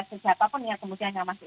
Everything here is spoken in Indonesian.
siapapun yang kemudian masuk